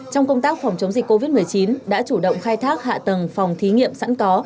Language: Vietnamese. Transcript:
trong công tác phòng chống dịch covid một mươi chín đã chủ động khai thác hạ tầng phòng thí nghiệm sẵn có